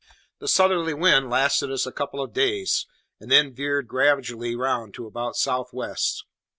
The southerly wind lasted us a couple of days, and then veered gradually round to about south west.